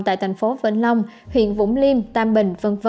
tại thành phố vĩnh long huyện vũng liêm tam bình v v